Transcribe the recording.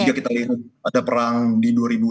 jika kita lihat ada perang di dua ribu enam